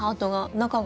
中が。